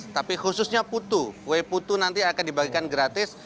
tapi khususnya putu kue putu nanti akan dibagikan gratis